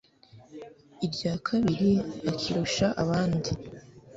irya kabiri akirusha abandi